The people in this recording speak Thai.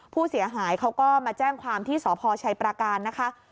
ผู้เสียหายเขาก็มาแจ้งความที่สพชัยประการนะคะ